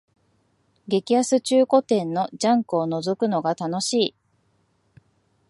激安中古店のジャンクをのぞくのが楽しい